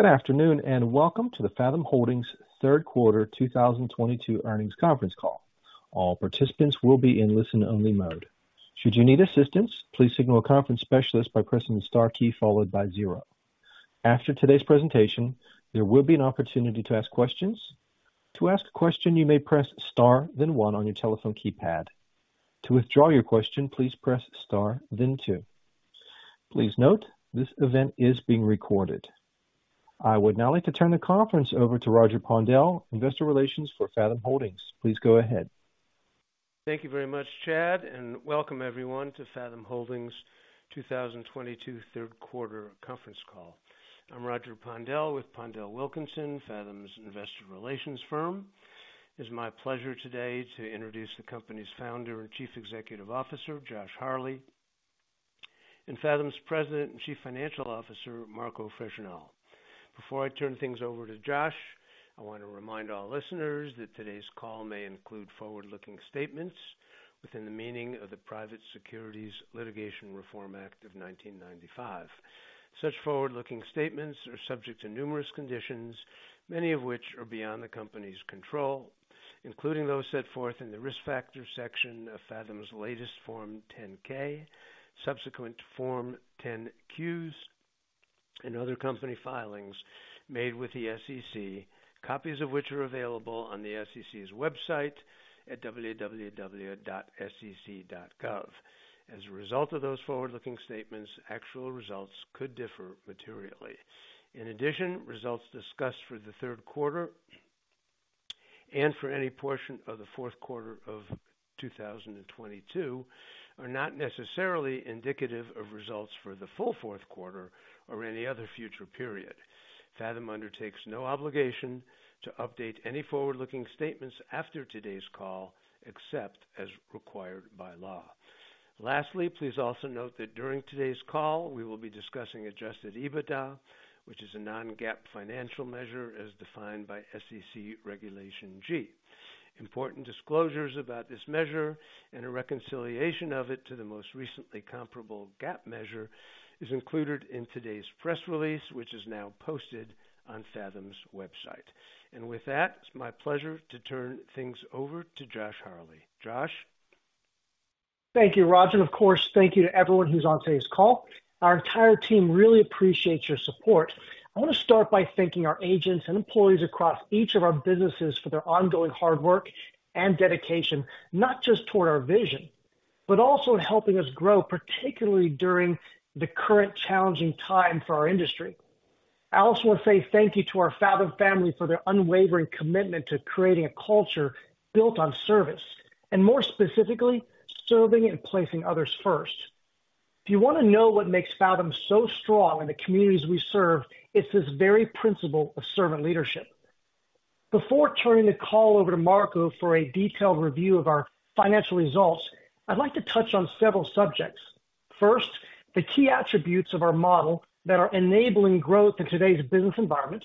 Good afternoon, and welcome to the Fathom Holdings Third Quarter 2022 Earnings Conference Call. All participants will be in listen-only mode. Should you need assistance, please signal a conference specialist by pressing the star key followed by zero. After today's presentation, there will be an opportunity to ask questions. To ask a question, you may press star then one on your telephone keypad. To withdraw your question, please press star then two. Please note this event is being recorded. I would now like to turn the conference over to Roger Pondel, Investor Relations for Fathom Holdings. Please go ahead. Thank you very much, Chad, and welcome everyone to Fathom Holdings 2022 Third Quarter Conference Call. I'm Roger Pondel with PondelWilkinson, Fathom's Investor Relations firm. It's my pleasure today to introduce the company's Founder and Chief Executive Officer, Josh Harley, and Fathom's President and Chief Financial Officer, Marco Fregenal. Before I turn things over to Josh, I want to remind all listeners that today's call may include forward-looking statements within the meaning of the Private Securities Litigation Reform Act of 1995. Such forward-looking statements are subject to numerous conditions, many of which are beyond the company's control, including those set forth in the Risk Factors section of Fathom's latest Form 10-K, subsequent Form 10-Qs, and other company filings made with the SEC, copies of which are available on the SEC's website at www.sec.gov. As a result of those forward-looking statements, actual results could differ materially. In addition, results discussed for the third quarter and for any portion of the fourth quarter of 2022 are not necessarily indicative of results for the full fourth quarter or any other future period. Fathom undertakes no obligation to update any forward-looking statements after today's call, except as required by law. Lastly, please also note that during today's call, we will be discussing adjusted EBITDA, which is a non-GAAP financial measure as defined by SEC Regulation G. Important disclosures about this measure and a reconciliation of it to the most recently comparable GAAP measure is included in today's press release, which is now posted on Fathom's website. With that, it's my pleasure to turn things over to Josh Harley. Josh? Thank you, Roger, and of course, thank you to everyone who's on today's call. Our entire team really appreciates your support. I want to start by thanking our agents and employees across each of our businesses for their ongoing hard work and dedication, not just toward our vision, but also in helping us grow, particularly during the current challenging time for our industry. I also want to say thank you to our Fathom family for their unwavering commitment to creating a culture built on service and more specifically, serving and placing others first. If you want to know what makes Fathom so strong in the communities we serve, it's this very principle of servant leadership. Before turning the call over to Marco for a detailed review of our financial results, I'd like to touch on several subjects. First, the key attributes of our model that are enabling growth in today's business environment.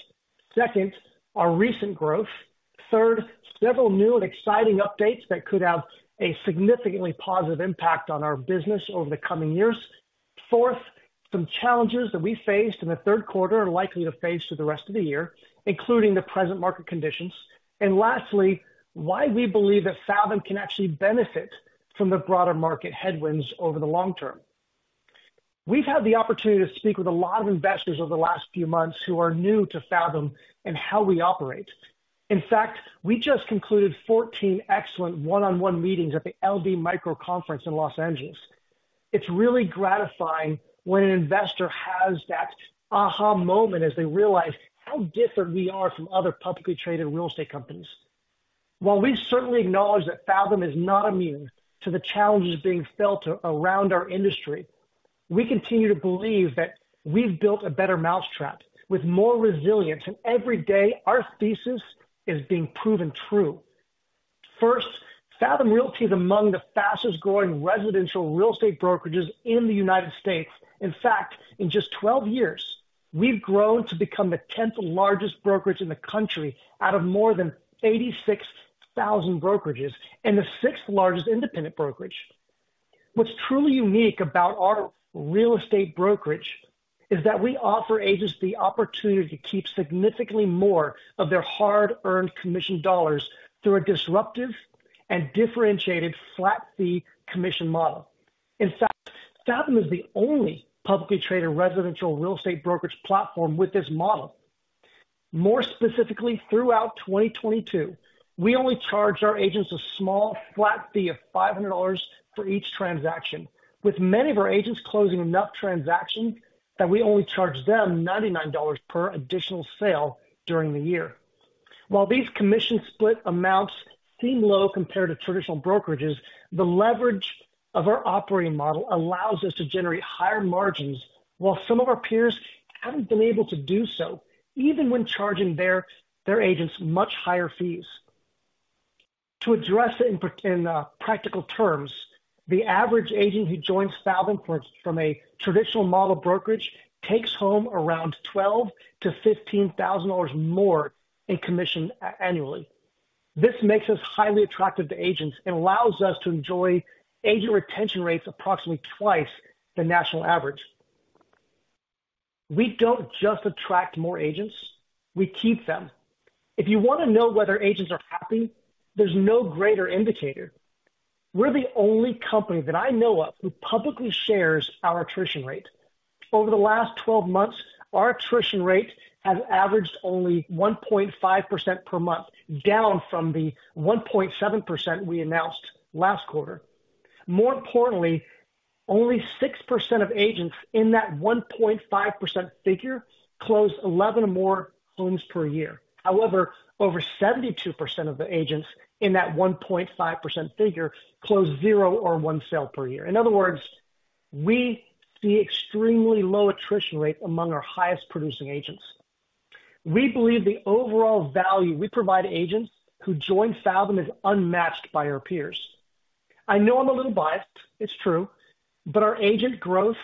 Second, our recent growth. Third, several new and exciting updates that could have a significantly positive impact on our business over the coming years. Fourth, some challenges that we faced in the third quarter are likely to face for the rest of the year, including the present market conditions. Lastly, why we believe that Fathom can actually benefit from the broader market headwinds over the long term. We've had the opportunity to speak with a lot of investors over the last few months who are new to Fathom and how we operate. In fact, we just concluded 14 excellent one-on-one meetings at the LD Micro Conference in Los Angeles. It's really gratifying when an investor has that aha moment as they realize how different we are from other publicly traded real estate companies. While we certainly acknowledge that Fathom is not immune to the challenges being felt around our industry, we continue to believe that we've built a better mousetrap with more resilience, and every day our thesis is being proven true. First, Fathom Realty is among the fastest-growing residential real estate brokerages in the United States. In fact, in just 12 years, we've grown to become the tenth-largest brokerage in the country out of more than 86,000 brokerages and the sixth-largest independent brokerage. What's truly unique about our real estate brokerage is that we offer agents the opportunity to keep significantly more of their hard-earned commission dollars through a disruptive and differentiated flat fee commission model. In fact, Fathom is the only publicly traded residential real estate brokerage platform with this model. More specifically, throughout 2022, we only charged our agents a small flat fee of $500 for each transaction. With many of our agents closing enough transactions that we only charge them $99 per additional sale during the year. While these commission split amounts seem low compared to traditional brokerages, the leverage of our operating model allows us to generate higher margins, while some of our peers haven't been able to do so, even when charging their agents much higher fees. To address it in practical terms, the average agent who joins Fathom from a traditional model brokerage takes home around $12,000-$15,000 more in commission annually. This makes us highly attractive to agents and allows us to enjoy agent retention rates approximately twice the national average. We don't just attract more agents, we keep them. If you wanna know whether agents are happy, there's no greater indicator. We're the only company that I know of who publicly shares our attrition rate. Over the last 12 months, our attrition rate has averaged only 1.5% per month, down from the 1.7% we announced last quarter. More importantly, only 6% of agents in that 1.5% figure closed 11 or more homes per year. However, over 72% of the agents in that 1.5% figure closed zero or one sale per year. In other words, we see extremely low attrition rate among our highest producing agents. We believe the overall value we provide agents who join Fathom is unmatched by our peers. I know I'm a little biased, it's true, but our agent growth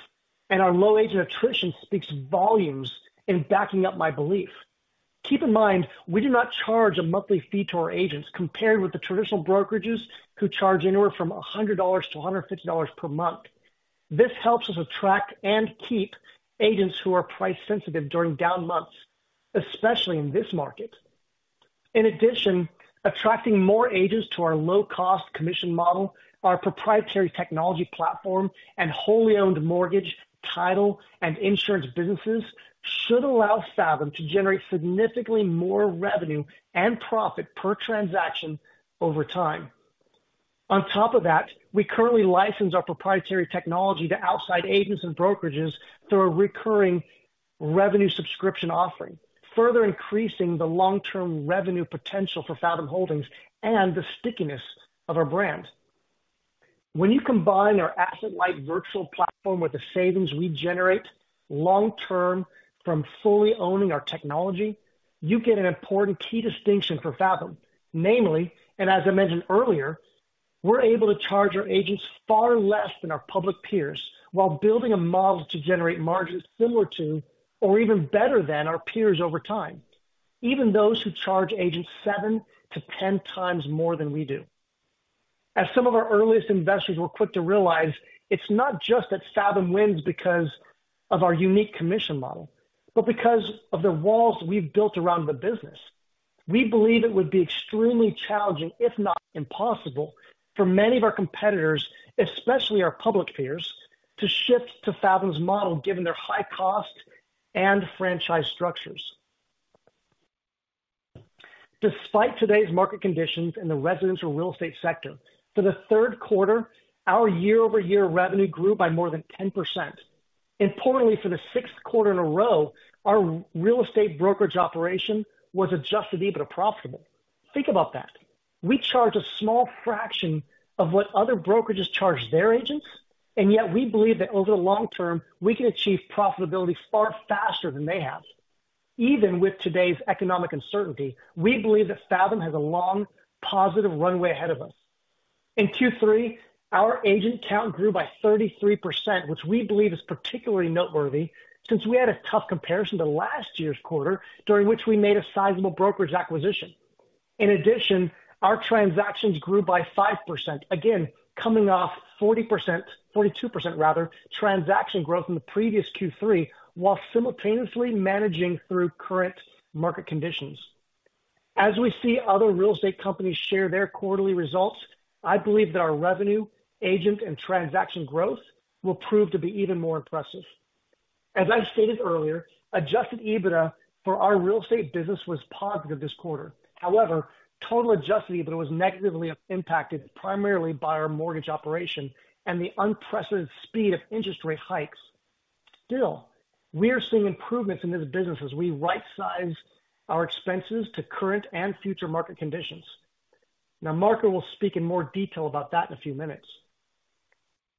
and our low agent attrition speaks volumes in backing up my belief. Keep in mind, we do not charge a monthly fee to our agents, compared with the traditional brokerages who charge anywhere from $100-$150 per month. This helps us attract and keep agents who are price-sensitive during down months, especially in this market. In addition, attracting more agents to our low-cost commission model, our proprietary technology platform, and wholly owned mortgage, title, and insurance businesses should allow Fathom to generate significantly more revenue and profit per transaction over time. On top of that, we currently license our proprietary technology to outside agents and brokerages through a recurring revenue subscription offering, further increasing the long-term revenue potential for Fathom Holdings and the stickiness of our brand. When you combine our asset-light virtual platform with the savings we generate long-term from fully owning our technology, you get an important key distinction for Fathom. Namely, as I mentioned earlier, we're able to charge our agents far less than our public peers while building a model to generate margins similar to or even better than our peers over time. Even those who charge agents 7-10x more than we do. As some of our earliest investors were quick to realize, it's not just that Fathom wins because of our unique commission model, but because of the walls we've built around the business. We believe it would be extremely challenging, if not impossible, for many of our competitors, especially our public peers, to shift to Fathom's model given their high cost and franchise structures. Despite today's market conditions in the residential real estate sector, for the third quarter, our year-over-year revenue grew by more than 10%. Importantly, for the sixth quarter in a row, our real estate brokerage operation was adjusted EBITDA profitable. Think about that. We charge a small fraction of what other brokerages charge their agents, and yet we believe that over the long term, we can achieve profitability far faster than they have. Even with today's economic uncertainty, we believe that Fathom has a long, positive runway ahead of us. In Q3, our agent count grew by 33%, which we believe is particularly noteworthy since we had a tough comparison to last year's quarter, during which we made a sizable brokerage acquisition. In addition, our transactions grew by 5%, again, coming off 42% rather, transaction growth in the previous Q3, while simultaneously managing through current market conditions. As we see other real estate companies share their quarterly results, I believe that our revenue, agent, and transaction growth will prove to be even more impressive. As I stated earlier, adjusted EBITDA for our real estate business was positive this quarter. However, total adjusted EBITDA was negatively impacted primarily by our mortgage operation and the unprecedented speed of interest rate hikes. Still, we are seeing improvements in this business as we right-size our expenses to current and future market conditions. Now, Marco will speak in more detail about that in a few minutes.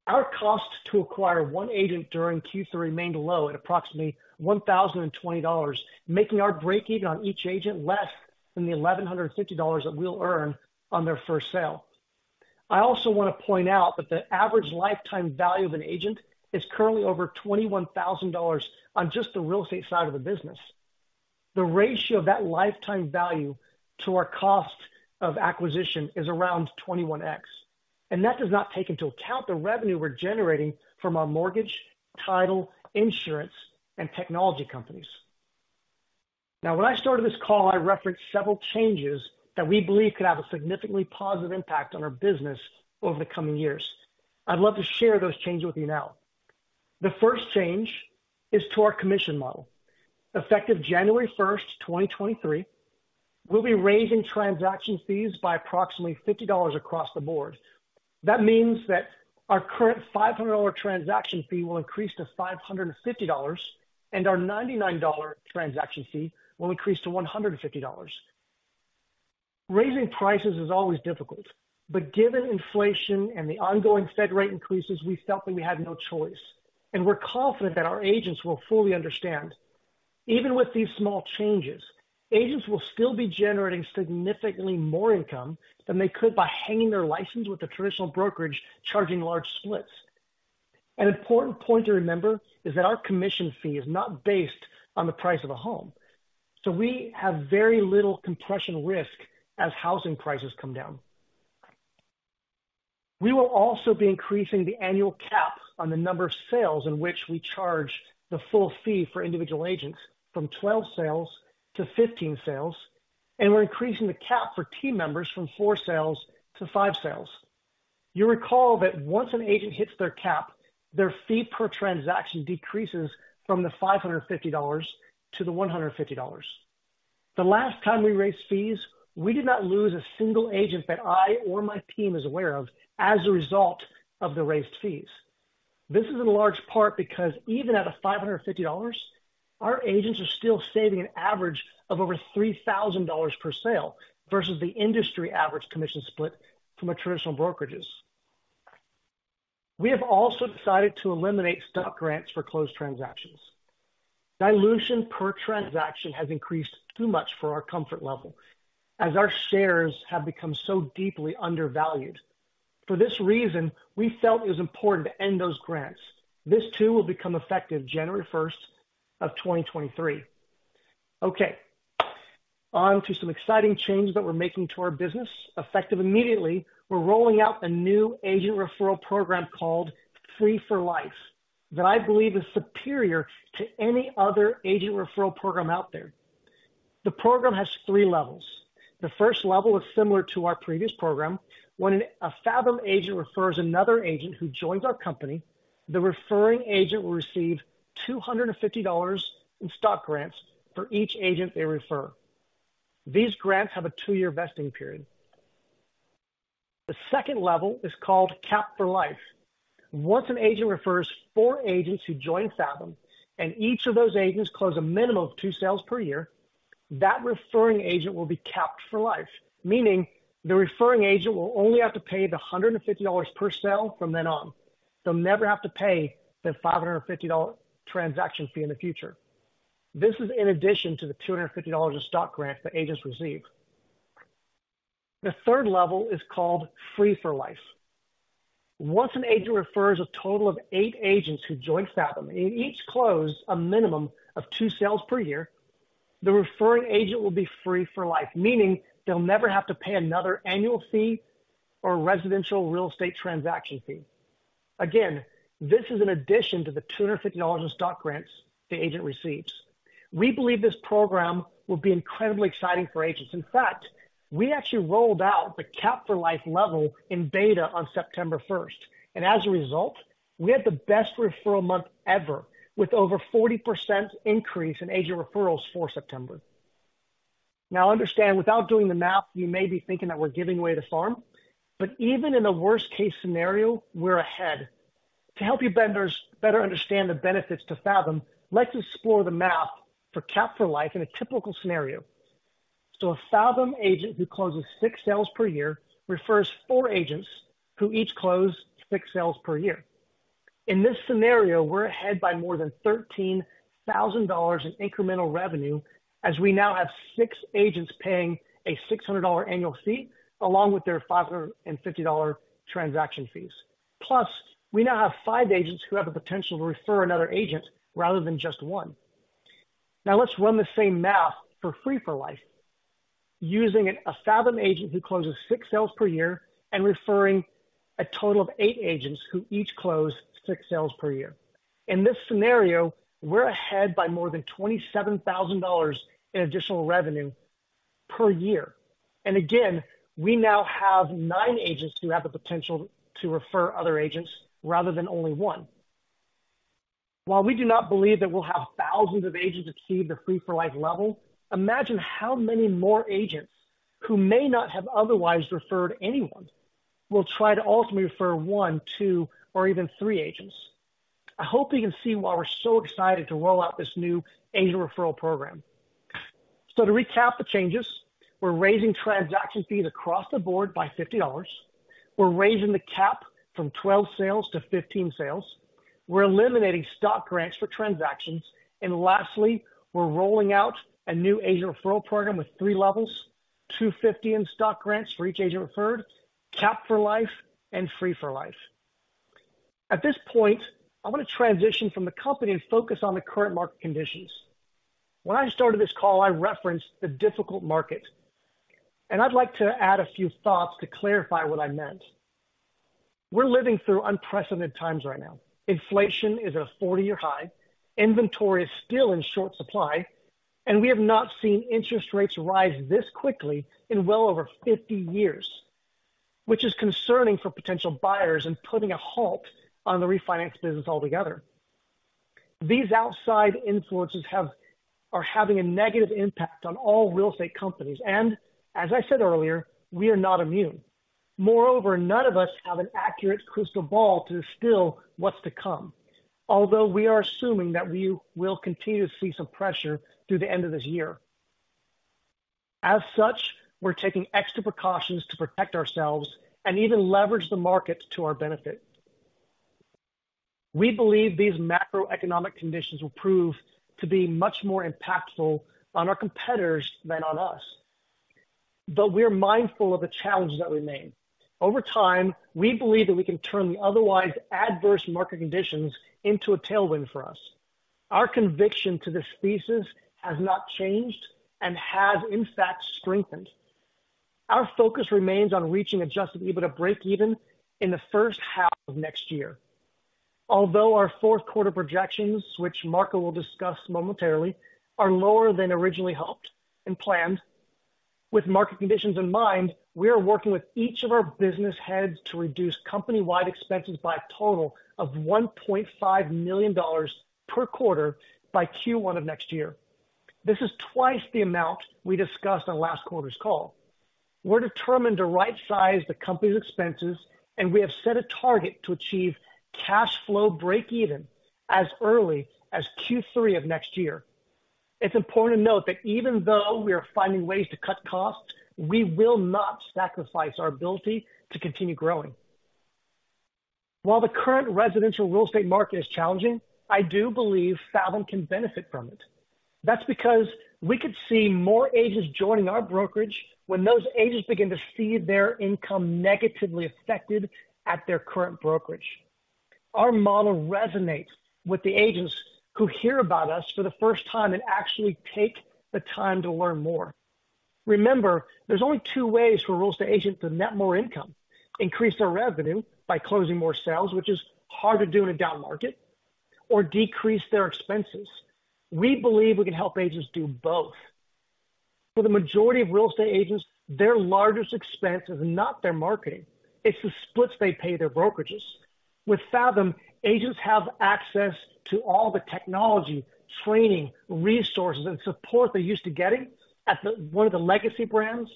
Our cost to acquire one agent during Q3 remained low at approximately $1,020, making our break-even on each agent less than the $1,150 that we'll earn on their first sale. I also wanna point out that the average lifetime value of an agent is currently over $21,000 on just the real estate side of the business. The ratio of that lifetime value to our cost of acquisition is around 21x, and that does not take into account the revenue we're generating from our mortgage, title, insurance, and technology companies. Now, when I started this call, I referenced several changes that we believe could have a significantly positive impact on our business over the coming years. I'd love to share those changes with you now. The first change is to our commission model. Effective 1 January 2023, we'll be raising transaction fees by approximately $50 across the board. That means that our current $500 transaction fee will increase to $550, and our $99 transaction fee will increase to $150. Raising prices is always difficult, but given inflation and the ongoing Fed rate increases, we felt that we had no choice, and we're confident that our agents will fully understand. Even with these small changes, agents will still be generating significantly more income than they could by hanging their license with a traditional brokerage charging large splits. An important point to remember is that our commission fee is not based on the price of a home, so we have very little compression risk as housing prices come down. We will also be increasing the annual cap on the number of sales in which we charge the full fee for individual agents from 12 sales to 15 sales, and we're increasing the cap for team members from four sales to five sales. You'll recall that once an agent hits their cap, their fee per transaction decreases from the $550 to the $150. The last time we raised fees, we did not lose a single agent that I or my team is aware of as a result of the raised fees. This is in large part because even at a $550, our agents are still saving an average of over $3,000 per sale versus the industry average commission split from a traditional brokerages. We have also decided to eliminate stock grants for closed transactions. Dilution per transaction has increased too much for our comfort level as our shares have become so deeply undervalued. For this reason, we felt it was important to end those grants. This too will become effective 1 January 2023. Okay, on to some exciting changes that we're making to our business. Effective immediately, we're rolling out a new agent referral program called Free4Life that I believe is superior to any other agent referral program out there. The program has three levels. The first level is similar to our previous program. When a Fathom agent refers another agent who joins our company, the referring agent will receive $250 in stock grants for each agent they refer. These grants have a two-year vesting period. The second level is called Cap4Life. Once an agent refers four agents who join Fathom, and each of those agents close a minimum of two sales per year, that referring agent will be capped for life, meaning the referring agent will only have to pay $150 per sale from then on. They'll never have to pay the $550 transaction fee in the future. This is in addition to the $250 in stock grants that agents receive. The third level is called Free4Life. Once an agent refers a total of eight agents who join Fathom, and each close a minimum of two sales per year, the referring agent will be free for life. Meaning they'll never have to pay another annual fee or residential real estate transaction fee. Again, this is in addition to the $250 in stock grants the agent receives. We believe this program will be incredibly exciting for agents. In fact, we actually rolled out the Cap4Life level in beta on 1 September, and as a result, we had the best referral month ever with over 40% increase in agent referrals for September. Now understand, without doing the math, you may be thinking that we're giving away the farm, but even in a worst case scenario, we're ahead. To help you better understand the benefits to Fathom, let's explore the math for Cap4Life in a typical scenario. A Fathom agent who closes six sales per year refers four agents who each close six sales per year. In this scenario, we're ahead by more than $13,000 in incremental revenue as we now have six agents paying a $600 annual fee along with their $550 transaction fees. Plus, we now have five agents who have the potential to refer another agent rather than just one. Now let's run the same math for Free4Life using a Fathom agent who closes six sales per year and referring a total of eight agents who each close six sales per year. In this scenario, we're ahead by more than $27,000 in additional revenue per year. Again, we now have nine agents who have the potential to refer other agents rather than only one. While we do not believe that we'll have thousands of agents achieve the Free4Life level, imagine how many more agents who may not have otherwise referred anyone will try to ultimately refer one, two, or even three agents. I hope you can see why we're so excited to roll out this new agent referral program. To recap the changes, we're raising transaction fees across the board by $50. We're raising the cap from 12 sales to 15 sales. We're eliminating stock grants for transactions. Lastly, we're rolling out a new agent referral program with three levels, $250 in stock grants for each agent referred, Cap4Life and Free4Life. At this point, I want to transition from the company and focus on the current market conditions. When I started this call, I referenced the difficult market, and I'd like to add a few thoughts to clarify what I meant. We're living through unprecedented times right now. Inflation is a 40-year high. Inventory is still in short supply, and we have not seen interest rates rise this quickly in well over 50 years, which is concerning for potential buyers and putting a halt on the refinance business altogether. These outside influences are having a negative impact on all real estate companies, and as I said earlier, we are not immune. Moreover, none of us have an accurate crystal ball to distill what's to come. Although we are assuming that we will continue to see some pressure through the end of this year. As such, we're taking extra precautions to protect ourselves and even leverage the market to our benefit. We believe these macroeconomic conditions will prove to be much more impactful on our competitors than on us. We're mindful of the challenges that remain. Over time, we believe that we can turn the otherwise adverse market conditions into a tailwind for us. Our conviction to this thesis has not changed and has, in fact, strengthened. Our focus remains on reaching adjusted EBITDA breakeven in the first half of next year. Although our fourth quarter projections, which Marco will discuss momentarily, are lower than originally hoped and planned. With market conditions in mind, we are working with each of our business heads to reduce company-wide expenses by a total of $1.5 million per quarter by Q1 of next year. This is twice the amount we discussed on last quarter's call. We're determined to right-size the company's expenses, and we have set a target to achieve cash flow breakeven as early as Q3 of next year. It's important to note that even though we are finding ways to cut costs, we will not sacrifice our ability to continue growing. While the current residential real estate market is challenging, I do believe Fathom can benefit from it. That's because we could see more agents joining our brokerage when those agents begin to see their income negatively affected at their current brokerage. Our model resonates with the agents who hear about us for the first time and actually take the time to learn more. Remember, there's only two ways for a real estate agent to net more income. Increase their revenue by closing more sales, which is hard to do in a down market, or decrease their expenses. We believe we can help agents do both. For the majority of real estate agents, their largest expense is not their marketing, it's the splits they pay their brokerages. With Fathom, agents have access to all the technology, training, resources, and support they're used to getting at one of the legacy brands,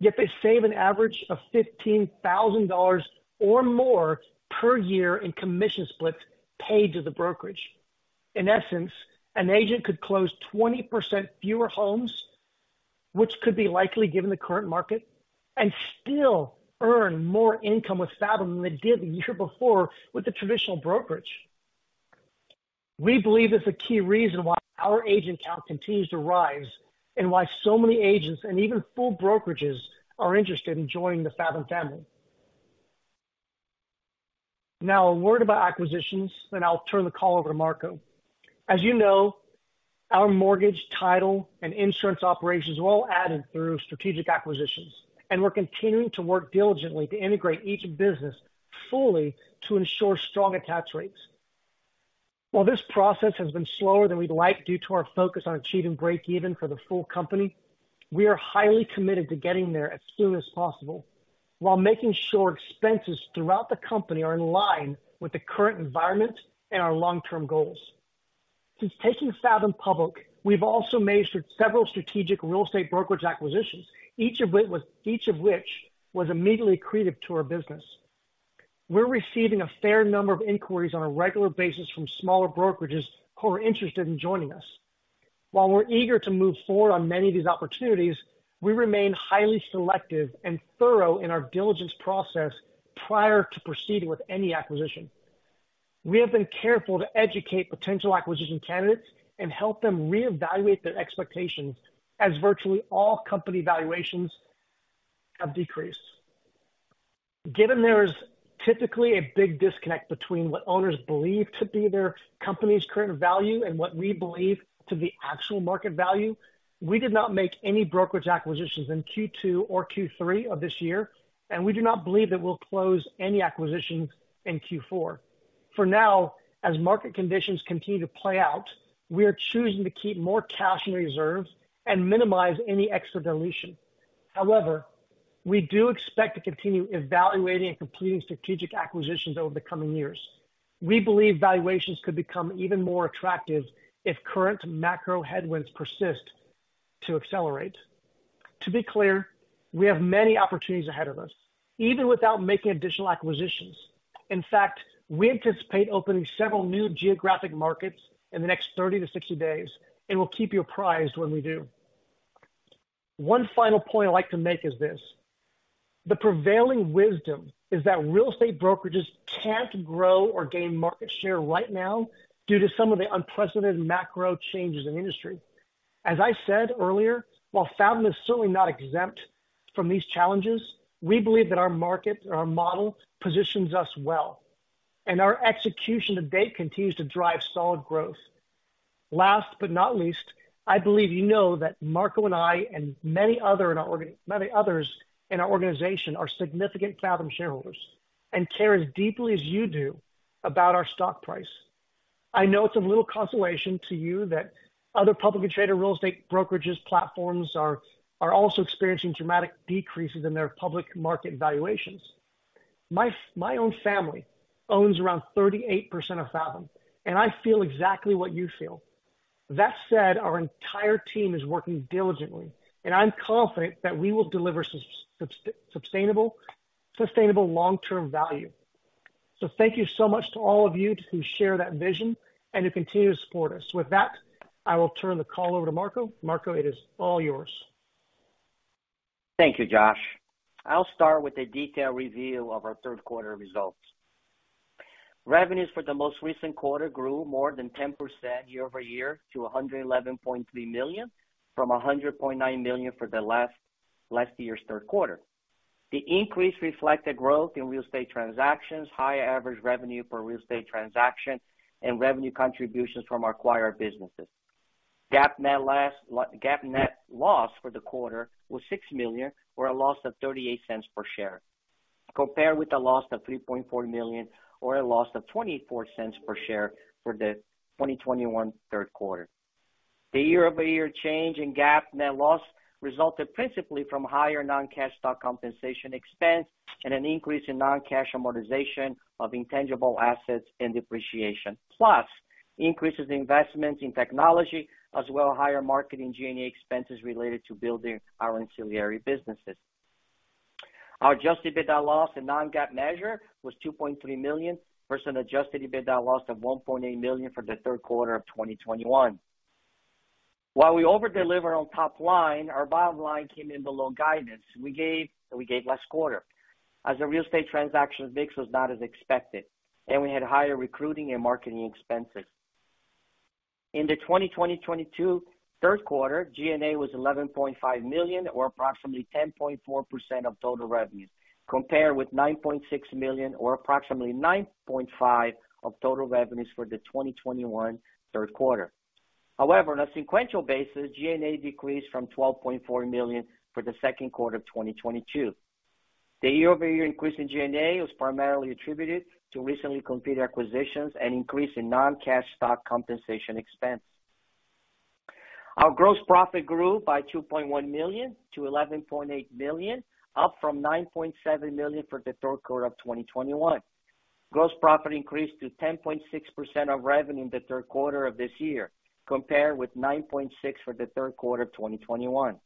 yet they save an average of $15,000 or more per year in commission splits paid to the brokerage. In essence, an agent could close 20% fewer homes, which could be likely given the current market, and still earn more income with Fathom than they did the year before with the traditional brokerage. We believe it's a key reason why our agent count continues to rise and why so many agents and even full brokerages are interested in joining the Fathom family. Now a word about acquisitions, then I'll turn the call over to Marco. As you know, our mortgage, title, and insurance operations were all added through strategic acquisitions, and we're continuing to work diligently to integrate each business fully to ensure strong attach rates. While this process has been slower than we'd like due to our focus on achieving breakeven for the full company, we are highly committed to getting there as soon as possible while making sure expenses throughout the company are in line with the current environment and our long-term goals. Since taking Fathom public, we've also made several strategic real estate brokerage acquisitions, each of which was immediately accretive to our business. We're receiving a fair number of inquiries on a regular basis from smaller brokerages who are interested in joining us. While we're eager to move forward on many of these opportunities, we remain highly selective and thorough in our diligence process prior to proceeding with any acquisition. We have been careful to educate potential acquisition candidates and help them reevaluate their expectations as virtually all company valuations have decreased. Given there is typically a big disconnect between what owners believe to be their company's current value and what we believe to be actual market value, we did not make any brokerage acquisitions in Q2 or Q3 of this year, and we do not believe that we'll close any acquisitions in Q4. For now, as market conditions continue to play out, we are choosing to keep more cash in reserve and minimize any extra dilution. However, we do expect to continue evaluating and completing strategic acquisitions over the coming years. We believe valuations could become even more attractive if current macro headwinds persist to accelerate. To be clear, we have many opportunities ahead of us, even without making additional acquisitions. In fact, we anticipate opening several new geographic markets in the next 30-60 days, and we'll keep you apprised when we do. One final point I'd like to make is this: the prevailing wisdom is that real estate brokerages can't grow or gain market share right now due to some of the unprecedented macro changes in the industry. As I said earlier, while Fathom is certainly not exempt from these challenges, we believe that our market and our model positions us well, and our execution to date continues to drive solid growth. Last but not least, I believe you know that Marco and I and many others in our organization are significant Fathom shareholders and care as deeply as you do about our stock price. I know it's of little consolation to you that other publicly traded real estate brokerages platforms are also experiencing dramatic decreases in their public market valuations. My own family owns around 38% of Fathom, and I feel exactly what you feel. That said, our entire team is working diligently, and I'm confident that we will deliver sustainable long-term value. Thank you so much to all of you who share that vision and who continue to support us. With that, I will turn the call over to Marco. Marco, it is all yours. Thank you, Josh. I'll start with a detailed review of our third quarter results. Revenues for the most recent quarter grew more than 10% year-over-year to $111.3 million, from $100.9 million for last year's third quarter. The increase reflected growth in real estate transactions, high average revenue for real estate transaction, and revenue contributions from acquired businesses. GAAP net loss for the quarter was $6 million or a loss of $0.38 per share, compared with a loss of $3.4 million or a loss of $0.24 per share for the 2021 third quarter. The year-over-year change in GAAP net loss resulted principally from higher non-cash stock compensation expense and an increase in non-cash amortization of intangible assets and depreciation, plus increases in investments in technology, as well as higher marketing G&A expenses related to building our ancillary businesses. Our adjusted EBITDA loss, a non-GAAP measure, was $2.3 million versus an adjusted EBITDA loss of $1.8 million for the third quarter of 2021. While we over-delivered on top line, our bottom line came in below guidance we gave last quarter, as the real estate transactions mix was not as expected, and we had higher recruiting and marketing expenses. In the 2022 third quarter, G&A was $11.5 million or approximately 10.4% of total revenues, compared with $9.6 million or approximately 9.5% of total revenues for the 2021 third quarter. However, on a sequential basis, G&A decreased from $12.4 million for the second quarter of 2022. The year-over-year increase in G&A was primarily attributed to recently completed acquisitions and increase in non-cash stock compensation expense. Our gross profit grew by $2.1 million to $11.8 million, up from $9.7 million for the third quarter of 2021. Gross profit increased to 10.6% of revenue in the third quarter of this year, compared with 9.6% for the third quarter of 2021.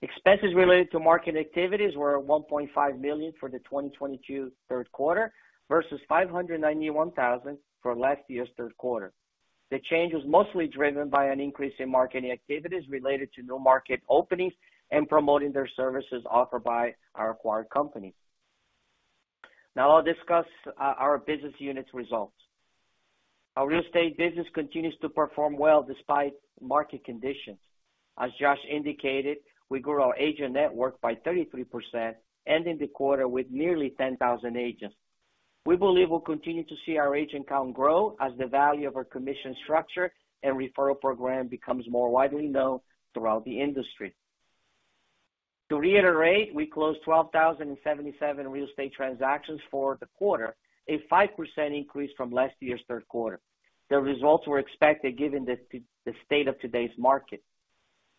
Expenses related to market activities were $1.5 million for the 2022 third quarter versus $591,000 for last year's third quarter. The change was mostly driven by an increase in marketing activities related to new market openings and promoting their services offered by our acquired company. Now I'll discuss our business units results. Our real estate business continues to perform well despite market conditions. As Josh indicated, we grew our agent network by 33%, ending the quarter with nearly 10,000 agents. We believe we'll continue to see our agent count grow as the value of our commission structure and referral program becomes more widely known throughout the industry. To reiterate, we closed 12,077 real estate transactions for the quarter, a 5% increase from last year's third quarter. The results were expected given the state of today's market.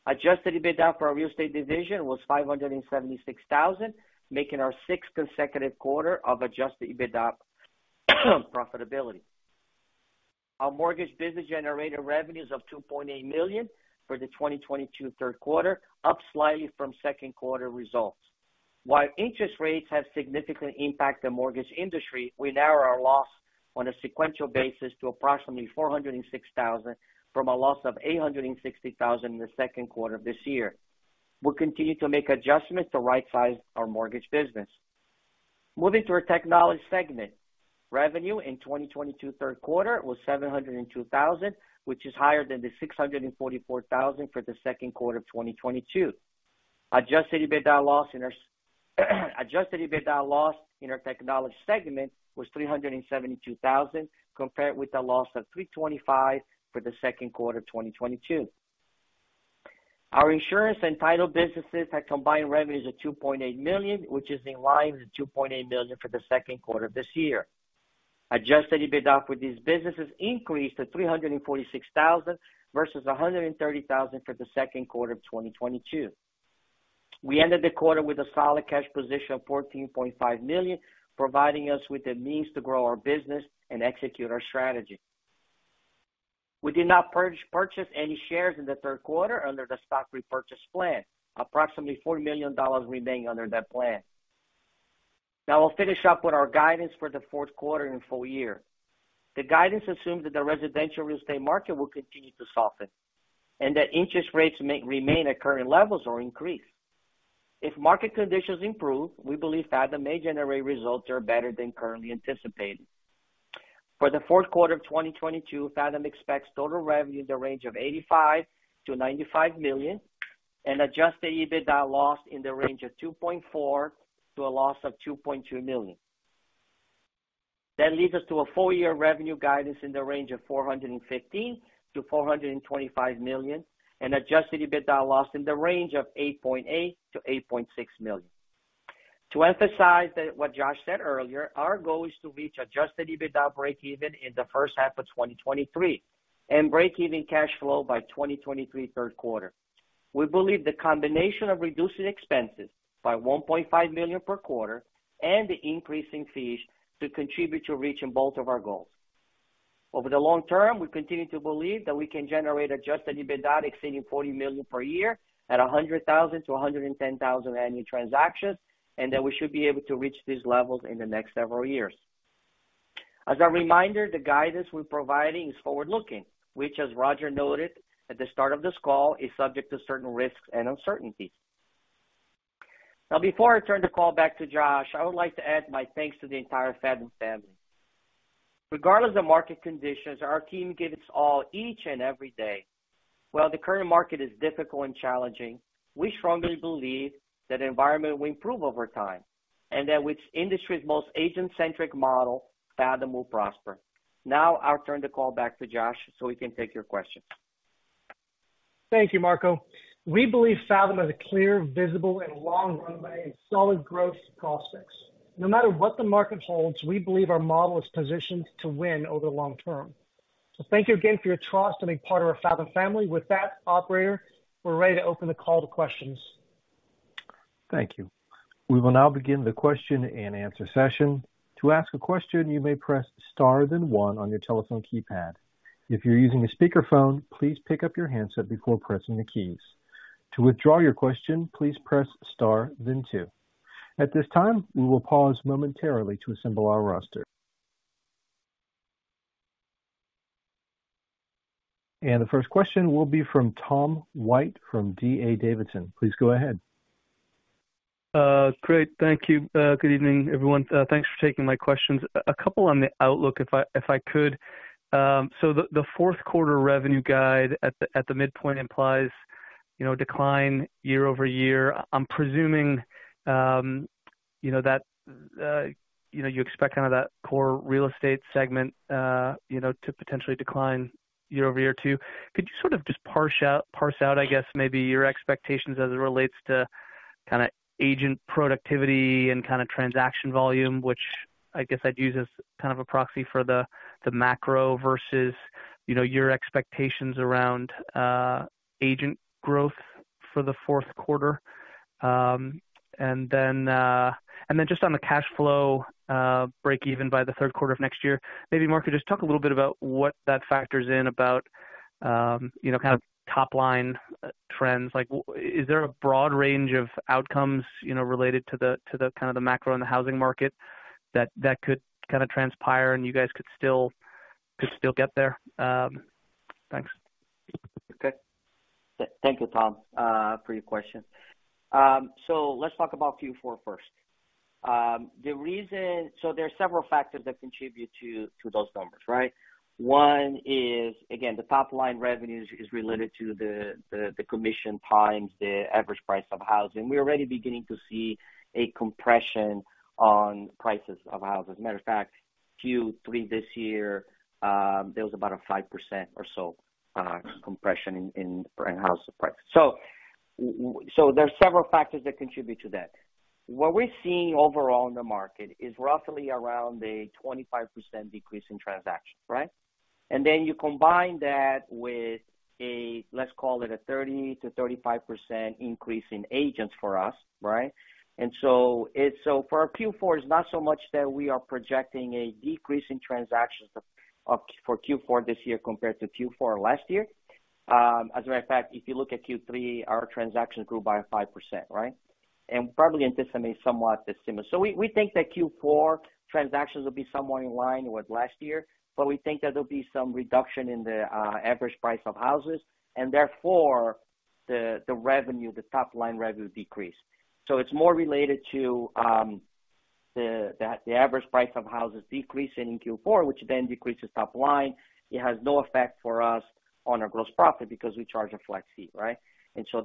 Adjusted EBITDA for our real estate division was $576,000, making our sixth consecutive quarter of adjusted EBITDA profitability. Our mortgage business generated revenues of $2.8 million for the 2022 third quarter, up slightly from second quarter results. While interest rates have significantly impacted the mortgage industry, we narrow our loss on a sequential basis to approximately $406,000 from a loss of $860,000 in the second quarter of this year. We'll continue to make adjustments to right-size our mortgage business. Moving to our technology segment. Revenue in 2022 third quarter was $702,000, which is higher than the $644,000 for the second quarter of 2022. Adjusted EBITDA loss in our technology segment was $372 thousand, compared with a loss of $325 thousand for the second quarter of 2022. Our insurance and title businesses had combined revenues of $2.8 million, which is in line with the $2.8 million for the second quarter of this year. Adjusted EBITDA for these businesses increased to $346 thousand versus $130 thousand for the second quarter of 2022. We ended the quarter with a solid cash position of $14.5 million, providing us with the means to grow our business and execute our strategy. We did not purchase any shares in the third quarter under the stock repurchase plan. Approximately $4 million remain under that plan. Now I'll finish up with our guidance for the fourth quarter and full year. The guidance assumes that the residential real estate market will continue to soften, and that interest rates may remain at current levels or increase. If market conditions improve, we believe Fathom may generate results that are better than currently anticipated. For the fourth quarter of 2022, Fathom expects total revenue in the range of $85 million-$95 million and adjusted EBITDA loss in the range of $2.4 million to a loss of $2.2 million. That leads us to a full year revenue guidance in the range of $415 million-$425 million and adjusted EBITDA loss in the range of $8.8 million-$8.6 million. To emphasize that what Josh said earlier, our goal is to reach adjusted EBITDA breakeven in the first half of 2023 and breakeven cash flow by 2023 third quarter. We believe the combination of reducing expenses by $1.5 million per quarter and the increase in fees to contribute to reaching both of our goals. Over the long term, we continue to believe that we can generate adjusted EBITDA exceeding $40 million per year at 100,000-110,000 annual transactions, and that we should be able to reach these levels in the next several years. As a reminder, the guidance we're providing is forward-looking, which, as Roger noted at the start of this call, is subject to certain risks and uncertainties. Now, before I turn the call back to Josh, I would like to add my thanks to the entire Fathom family. Regardless of market conditions, our team gives its all each and every day. While the current market is difficult and challenging, we strongly believe that the environment will improve over time, and that with the industry's most agent-centric model, Fathom will prosper. Now I'll turn the call back to Josh so we can take your questions. Thank you, Marco. We believe Fathom has a clear, visible and long runway and solid growth prospects. No matter what the market holds, we believe our model is positioned to win over the long term. Thank you again for your trust in being part of our Fathom family. With that, operator, we're ready to open the call to questions. Thank you. We will now begin the question-and-answer session. To ask a question, you may press star then one on your telephone keypad. If you're using a speakerphone, please pick up your handset before pressing the keys. To withdraw your question, please press star then two. At this time, we will pause momentarily to assemble our roster. The first question will be from Tom White from D.A. Davidson. Please go ahead. Great. Thank you. Good evening, everyone. Thanks for taking my questions. A couple on the outlook, if I could. So the fourth quarter revenue guide at the midpoint implies, you know, decline year-over-year. I'm presuming, you know, that you know, you expect kind of that core real estate segment, you know, to potentially decline year-over-year too. Could you sort of just parse out, I guess, maybe your expectations as it relates to kinda agent productivity and kinda transaction volume, which I guess I'd use as kind of a proxy for the macro versus, you know, your expectations around agent growth for the fourth quarter? Just on the cash flow, breakeven by the third quarter of next year, maybe, Marco, just talk a little bit about what that factors in about, you know, kind of top-line trends. Like, is there a broad range of outcomes, you know, related to the kind of the macro in the housing market that could kinda transpire and you guys could still get there? Thanks. Okay. Thank you, Tom, for your question. Let's talk about Q4 first. There are several factors that contribute to those numbers, right? One is, again, the top-line revenues is related to the commission times the average price of housing. We're already beginning to see a compression on prices of houses. Matter of fact, Q3 this year, there was about a 5% or so compression in house price. There are several factors that contribute to that. What we're seeing overall in the market is roughly around a 25% decrease in transactions, right? Then you combine that with a, let's call it a 30%-35% increase in agents for us, right? For our Q4, it's not so much that we are projecting a decrease in transactions of, for Q4 this year compared to Q4 last year. As a matter of fact, if you look at Q3, our transactions grew by 5%, right? We probably anticipate somewhat similar. We think that Q4 transactions will be somewhere in line with last year, but we think that there'll be some reduction in the average price of houses, and therefore the average price of houses decreasing in Q4, which then decreases top line. It has no effect for us on our gross profit because we charge a flat fee, right?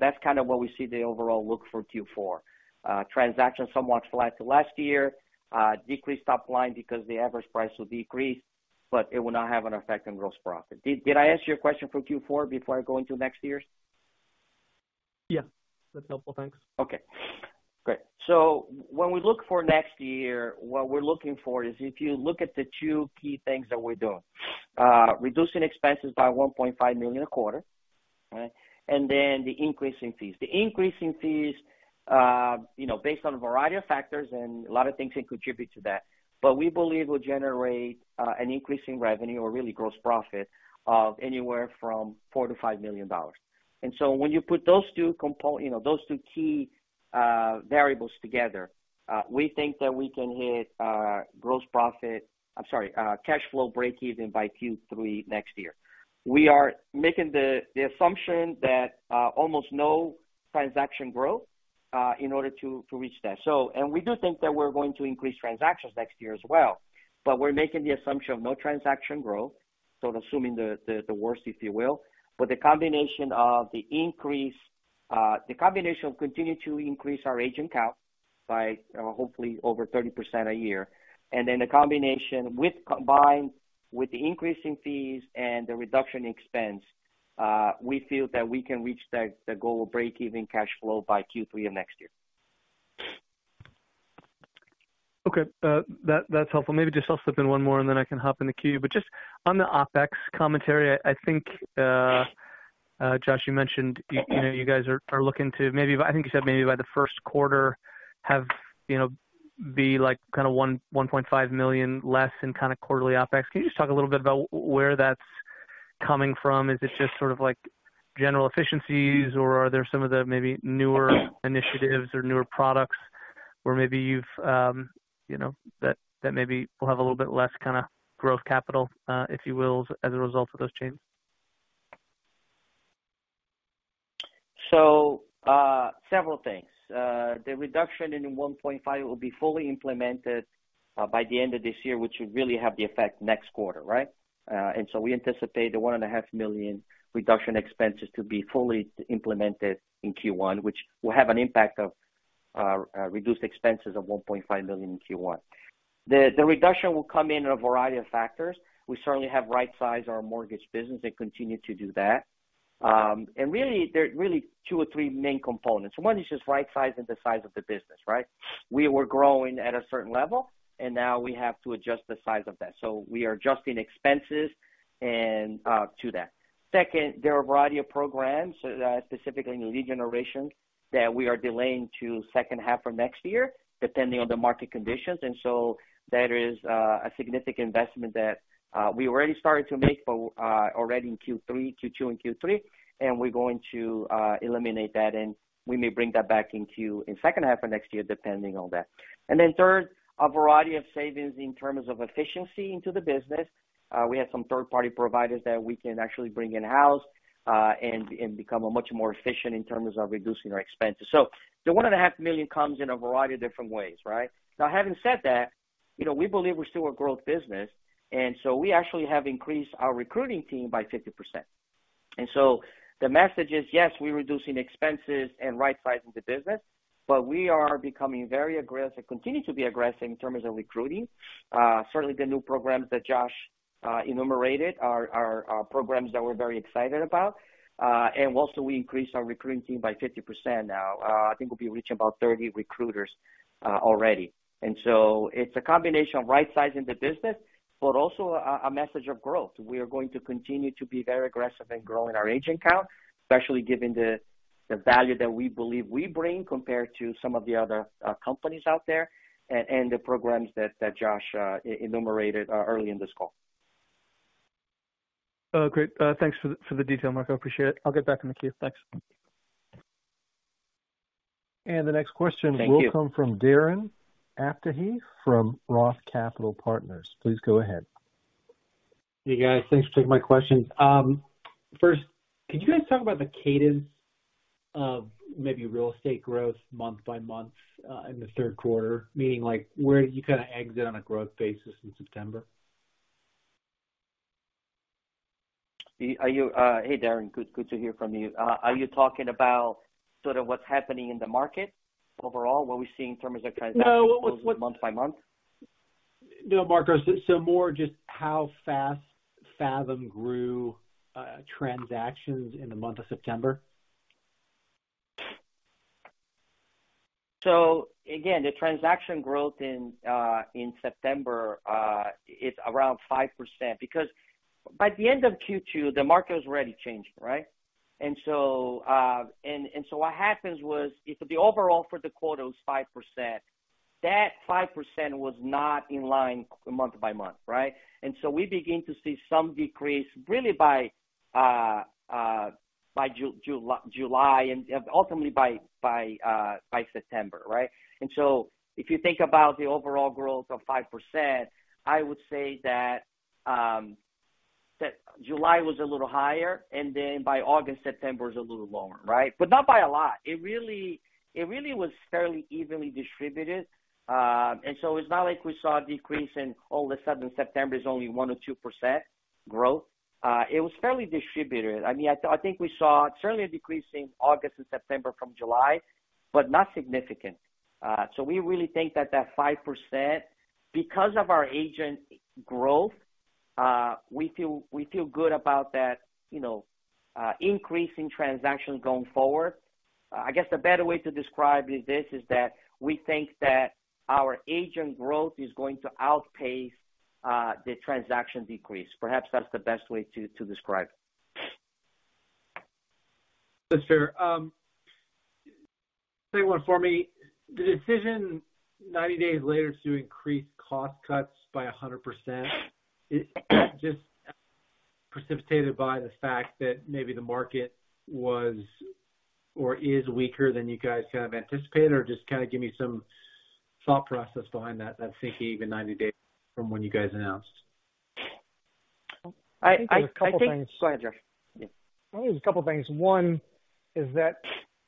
That's kind of what we see the overall outlook for Q4. Transactions somewhat flat to last year, decreased top line because the average price will decrease, but it will not have an effect on gross profit. Did I answer your question for Q4 before I go into next year's? Yeah, that's helpful. Thanks. Okay, great. When we look for next year, what we're looking for is if you look at the two key things that we're doing, reducing expenses by $1.5 million a quarter, right? The increase in fees. The increase in fees, you know, based on a variety of factors, and a lot of things can contribute to that. We believe we'll generate an increase in revenue or really gross profit of anywhere from $4-$5 million. When you put those two, you know, those two key variables together, we think that we can hit cash flow breakeven by Q3 next year. We are making the assumption that almost no transaction growth in order to reach that. We do think that we're going to increase transactions next year as well, but we're making the assumption of no transaction growth, sort of assuming the worst, if you will. The combination of continuing to increase our agent count by hopefully over 30% a year, combined with the increase in fees and the reduction in expense, we feel that we can reach that the goal of breakeven cash flow by Q3 of next year. Okay. That's helpful. Maybe just I'll slip in one more, and then I can hop in the queue. Just on the OpEx commentary, Josh, you mentioned you know, you guys are looking to maybe, I think you said maybe by the first quarter have, you know, be like kinda $1.5 million less in kinda quarterly OpEx. Can you just talk a little bit about where that's coming from? Is it just sort of like general efficiencies, or are there some of the maybe newer initiatives or newer products where maybe you've you know, that maybe will have a little bit less kinda growth capital, if you will, as a result of those changes? Several things. The reduction in 1.5 will be fully implemented by the end of this year, which should really have the effect next quarter, right? We anticipate the 1.5 million reduction expenses to be fully implemented in Q1, which will have an impact of reduced expenses of $1.5 million in Q1. The reduction will come in a variety of factors. We certainly have rightsized our mortgage business and continue to do that. Really there's really two or three main components. One is just rightsizing the size of the business, right? We were growing at a certain level, and now we have to adjust the size of that. We are adjusting expenses and to that. Second, there are a variety of programs, specifically in lead generation, that we are delaying to second half of next year, depending on the market conditions. That is a significant investment that we already started to make, but already in Q3, Q2 and Q3, and we're going to eliminate that, and we may bring that back in second half of next year, depending on that. Third, a variety of savings in terms of efficiency into the business. We have some third-party providers that we can actually bring in-house, and become a much more efficient in terms of reducing our expenses. The $1.5 million comes in a variety of different ways, right? Now, having said that, you know, we believe we're still a growth business, and so we actually have increased our recruiting team by 50%. The message is, yes, we're reducing expenses and rightsizing the business, but we are becoming very aggressive, continue to be aggressive in terms of recruiting. Certainly the new programs that Josh enumerated are programs that we're very excited about. Also we increased our recruiting team by 50% now. I think we'll be reaching about 30 recruiters already. It's a combination of rightsizing the business, but also a message of growth. We are going to continue to be very aggressive in growing our agent count, especially given the value that we believe we bring compared to some of the other companies out there and the programs that Josh enumerated early in this call. Oh, great. Thanks for the detail, Marco. I appreciate it. I'll get back in the queue. Thanks. The next question- Thank you. will come from Darren Aftahi from ROTH Capital Partners. Please go ahead. Hey, guys. Thanks for taking my questions. First, could you guys talk about the cadence of maybe real estate growth month by month, in the third quarter? Meaning like where you kind of exit on a growth basis in September. Hey, Darren. Good to hear from you. Are you talking about sort of what's happening in the market overall, what we're seeing in terms of transactions? No. What? month-by-month? No, Marco. More just how fast Fathom grew transactions in the month of September. Again, the transaction growth in September, it's around 5%, because by the end of Q2, the market was already changing, right? What happens was if the overall for the quarter was 5%, that 5% was not in line month by month, right? We begin to see some decrease really by July and ultimately by September, right? If you think about the overall growth of 5%, I would say that that July was a little higher, and then by August, September is a little lower, right? Not by a lot. It really was fairly evenly distributed. It's not like we saw a decrease and all of a sudden September is only 1 or 2% growth. It was fairly distributed. I mean, I think we saw certainly a decrease in August and September from July, but not significant. We really think that 5%, because of our agent growth, we feel good about that, you know, increase in transactions going forward. I guess the better way to describe this is that we think that our agent growth is going to outpace the transaction decrease. Perhaps that's the best way to describe it. That's fair. Say one for me. The decision 90 days later to increase cost cuts by 100%, it just precipitated by the fact that maybe the market was or is weaker than you guys kind of anticipated, or just kinda give me some thought process behind that thinking even 90 days from when you guys announced. I think- A couple things. Go ahead, Josh. Yeah. I think there's a couple things. One is that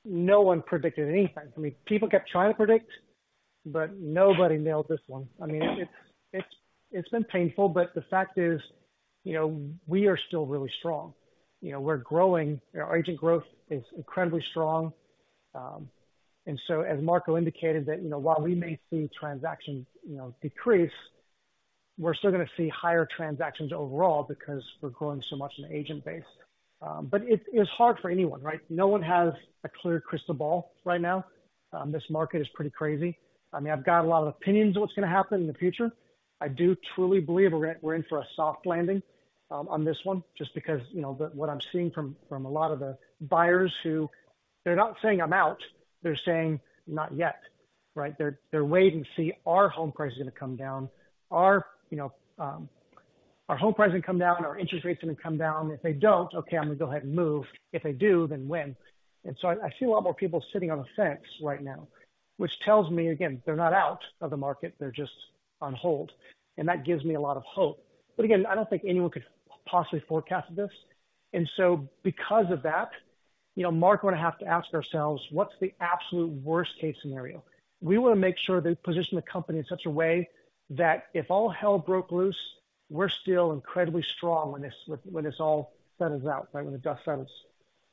no one predicted anything. I mean, people kept trying to predict, but nobody nailed this one. I mean, it's been painful, but the fact is, you know, we are still really strong. You know, we're growing. Our agent growth is incredibly strong. As Marco indicated that, you know, while we may see transactions, you know, decrease, we're still gonna see higher transactions overall because we're growing so much in agent base. But it's hard for anyone, right? No one has a clear crystal ball right now. This market is pretty crazy. I mean, I've got a lot of opinions on what's gonna happen in the future. I do truly believe we're in for a soft landing on this one, just because you know what I'm seeing from a lot of the buyers who they're not saying I'm out, they're saying not yet, right? They're waiting to see are home prices gonna come down? You know, are interest rates gonna come down? If they don't, okay, I'm gonna go ahead and move. If they do, then when? I see a lot more people sitting on the fence right now, which tells me, again, they're not out of the market, they're just on hold. That gives me a lot of hope. Again, I don't think anyone could possibly forecast this. Because of that, you know, Marco and I have to ask ourselves, what's the absolute worst case scenario? We wanna make sure that we position the company in such a way that if all hell broke loose, we're still incredibly strong when this all settles out, right? When the dust settles.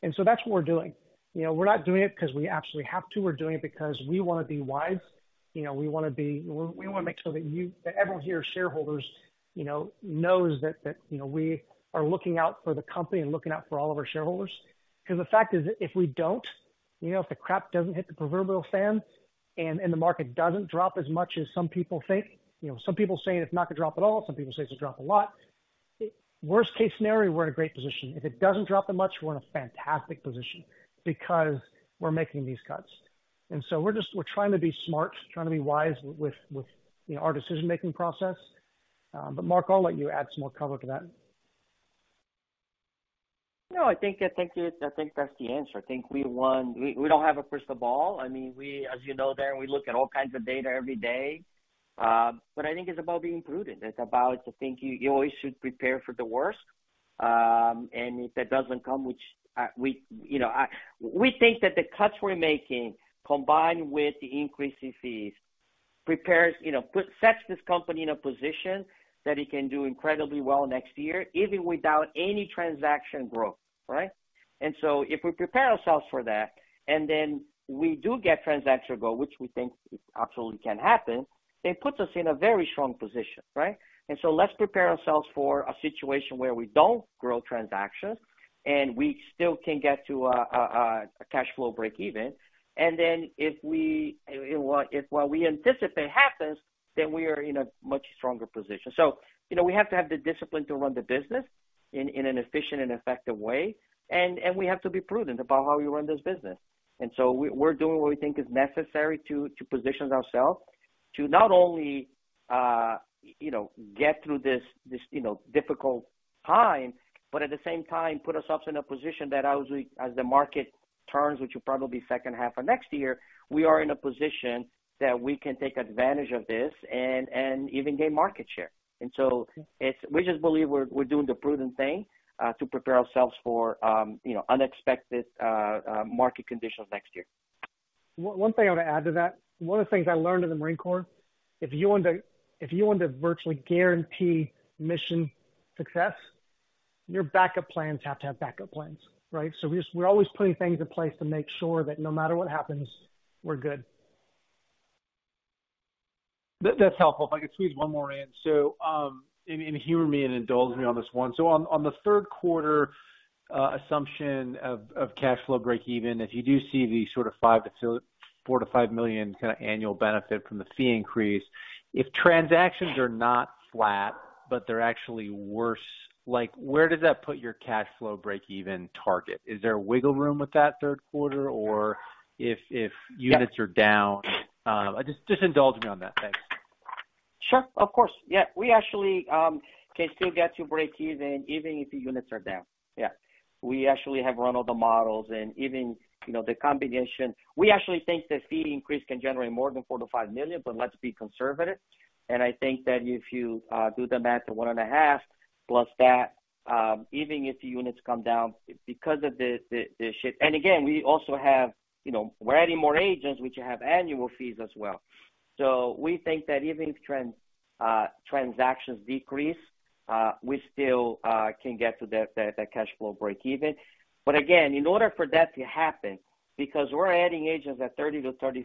That's what we're doing. You know, we're not doing it because we absolutely have to. We're doing it because we wanna be wise. You know, we wanna make sure that everyone here, shareholders, you know, knows that, you know, we are looking out for the company and looking out for all of our shareholders. Because the fact is, if we don't, you know, if the crap doesn't hit the proverbial fan, and the market doesn't drop as much as some people think, you know, some people are saying it's not gonna drop at all, some people say it's gonna drop a lot. Worst case scenario, we're in a great position. If it doesn't drop that much, we're in a fantastic position because we're making these cuts. We're trying to be smart, trying to be wise with, you know, our decision-making process. Marco, I'll let you add some more color to that. No, I think that's the answer. I think we won. We don't have a crystal ball. I mean, as you know, Dan, we look at all kinds of data every day. I think it's about being prudent. It's about thinking you always should prepare for the worst. If that doesn't come, which, you know, we think that the cuts we're making combined with the increase in fees prepares, you know, sets this company in a position that it can do incredibly well next year, even without any transaction growth, right? If we prepare ourselves for that, and then we do get transaction growth, which we think it absolutely can happen, it puts us in a very strong position, right? Let's prepare ourselves for a situation where we don't grow transactions, and we still can get to a cash flow break even. If what we anticipate happens, then we are in a much stronger position. You know, we have to have the discipline to run the business in an efficient and effective way. We have to be prudent about how we run this business. We're doing what we think is necessary to position ourselves to not only, you know, get through this difficult time, but at the same time put ourselves in a position that as the market turns, which will probably be second half of next year, we are in a position that we can take advantage of this and even gain market share. We just believe we're doing the prudent thing to prepare ourselves for, you know, unexpected market conditions next year. One thing I would add to that, one of the things I learned in the Marine Corps, if you want to virtually guarantee mission success, your backup plans have to have backup plans, right. We're always putting things in place to make sure that no matter what happens, we're good. That's helpful. If I could squeeze one more in. Humor me and indulge me on this one. On the third quarter assumption of cash flow breakeven, if you do see the sort of $4-$5 million kinda annual benefit from the fee increase, if transactions are not flat, but they're actually worse, like, where does that put your cash flow breakeven target? Is there a wiggle room with that third quarter? If units are down, just indulge me on that. Thanks. Sure. Of course. Yeah. We actually can still get to breakeven even if the units are down. Yeah. We actually have run all the models and even, you know, the combination. We actually think the fee increase can generate more than $4-$5 million, but let's be conservative. I think that if you do the math to $1.5 million plus that, even if the units come down because of the shift. Again, we also have, you know, we're adding more agents which have annual fees as well. We think that even if transactions decrease, we still can get to that cash flow breakeven. Again, in order for that to happen, because we're adding agents at 30%-35%,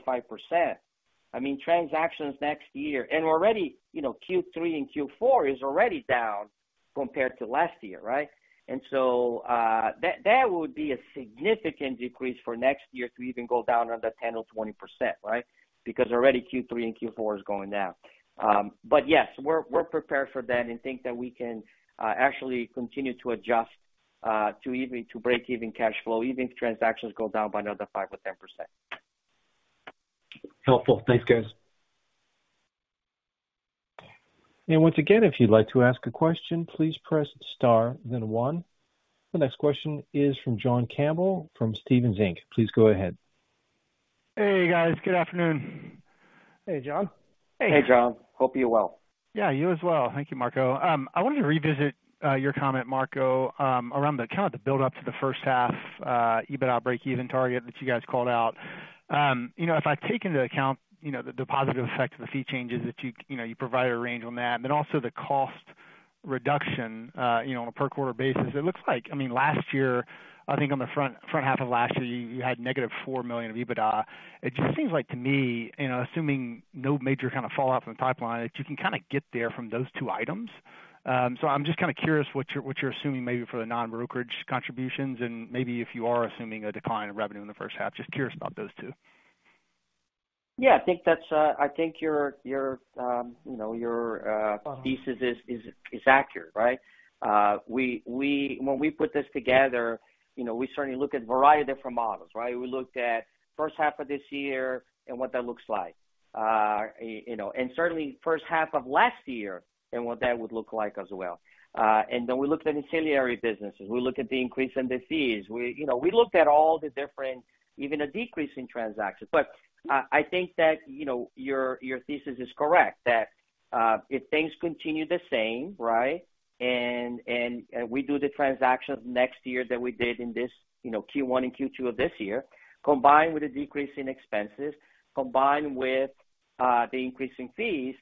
I mean, transactions next year, and already, you know, Q3 and Q4 is already down compared to last year, right? That would be a significant decrease for next year to even go down another 10% or 20%, right? Because already Q3 and Q4 is going down. Yes, we're prepared for that and think that we can actually continue to adjust to breakeven cash flow, even if transactions go down by another 5% or 10%. Helpful. Thanks, guys. Once again, if you'd like to ask a question, please press star then one. The next question is from John Campbell from Stephens Inc. Please go ahead. Hey, guys. Good afternoon. Hey, John. Hey. Hey, John. Hope you're well. Yeah, you as well. Thank you, Marco. I wanted to revisit your comment, Marco, around kind of the buildup to the first half EBITDA breakeven target that you guys called out. You know, if I take into account, you know, the positive effect of the fee changes that you know, you provided a range on that, but then also the cost reduction, you know, on a per quarter basis, it looks like, I mean, last year, I think on the front half of last year, you had negative $4 million of EBITDA. It just seems like to me, you know, assuming no major kind of fallout from the pipeline, that you can kinda get there from those two items. I'm just kinda curious what you're assuming maybe for the non-brokerage contributions and maybe if you are assuming a decline in revenue in the first half. Just curious about those two. Yeah, I think that's. I think your you know your thesis is accurate, right? When we put this together, you know, we certainly look at a variety of different models, right? We looked at first half of this year and what that looks like, you know, and certainly first half of last year and what that would look like as well. We looked at ancillary businesses. We looked at the increase in the fees. We you know we looked at all the different even a decrease in transactions. I think that, you know, your thesis is correct, that if things continue the same, right, and we do the transactions next year that we did in this, you know, Q1 and Q2 of this year, combined with a decrease in expenses, combined with the increase in fees.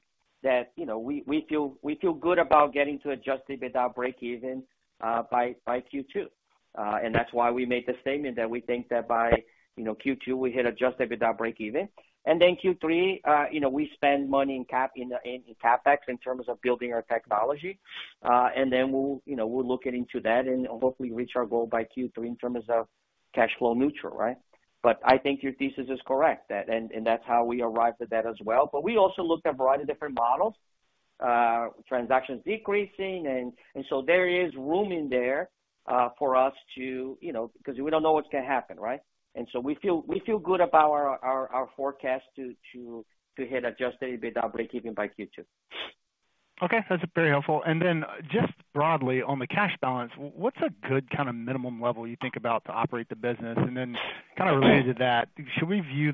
That, you know, we feel good about getting to adjusted EBITDA break-even by Q2. That's why we made the statement that we think that by, you know, Q2, we hit adjusted EBITDA break-even. Then Q3, you know, we spend money in CapEx in terms of building our technology. Then you know, we're looking into that and hopefully reach our goal by Q3 in terms of cash flow neutral, right? I think your thesis is correct, that and that's how we arrived at that as well. We also looked at a variety of different models, transactions decreasing. So there is room in there for us to, you know, because we don't know what's gonna happen, right? We feel good about our forecast to hit adjusted EBITDA break-even by Q2. Okay, that's very helpful. Just broadly on the cash balance, what's a good kind of minimum level you think about to operate the business? Kind of related to that, should we view,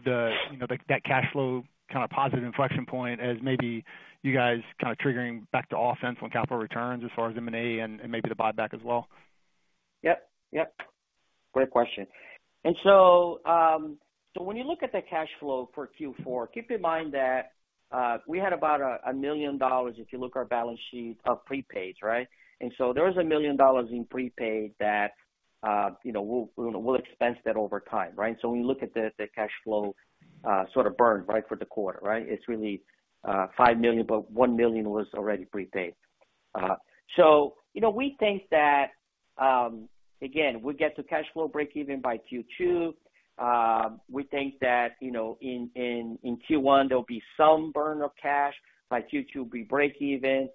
you know, that cash flow kind of positive inflection point as maybe you guys kind of triggering back to offense on capital returns as far as M&A and maybe the buyback as well? Yep, yep. Great question. When you look at the cash flow for Q4, keep in mind that we had about $1 million if you look at our balance sheet of prepaid, right? There is $1 million in prepaid that we'll expense that over time, right? When you look at the cash flow sort of burn for the quarter, right, it's really $5 million, but $1 million was already prepaid. We think that again we'll get to cash flow breakeven by Q2. We think that in Q1 there'll be some burn of cash. By Q2, we break even.